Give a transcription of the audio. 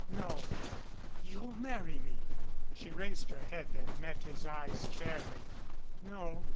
"No." "You'll marry me." She raised her head and met his eyes fairly. "No.